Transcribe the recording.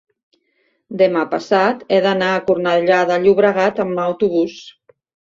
demà passat he d'anar a Cornellà de Llobregat amb autobús.